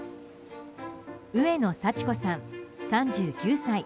上野祥子さん、３９歳。